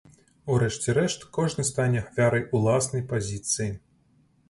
У рэшце рэшт, кожны стане ахвярай уласнай пазіцыі.